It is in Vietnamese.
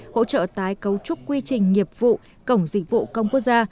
hỗ trợ tái cấu trúc quy trình nghiệp vụ cổng dịch vụ công quốc gia